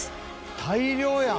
大漁やん。